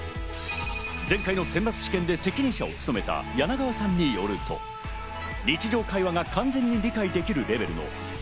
前回の選抜試験で責任者を務めた柳川さんによると、日常会話が完全に理解できるレベル。